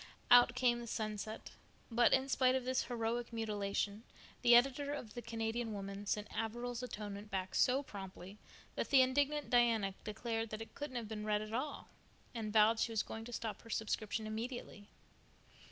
Out came the sunset; but in spite of this heroic mutilation the editor of the Canadian Woman sent Averil's Atonement back so promptly that the indignant Diana declared that it couldn't have been read at all, and vowed she was going to stop her subscription immediately.